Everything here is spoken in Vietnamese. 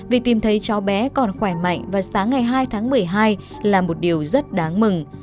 việc tìm thấy cháu bé còn khỏe mạnh và sáng ngày hai tháng một mươi hai là một điều rất đáng mừng